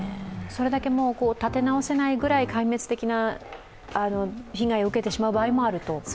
それだけ、立て直せないぐらい壊滅的な被害を受けてしまう場合もあると。